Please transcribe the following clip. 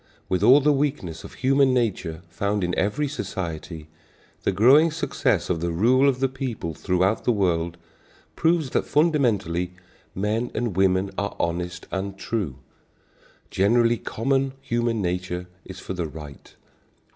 With all the weakness of human nature found in every society, the growing success of the rule of the people throughout the world proves that fundamentally men and women are honest and true. Generally common human nature is for the right.